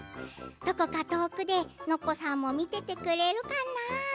どこか遠くで、ノッポさんも見ていてくれるかな。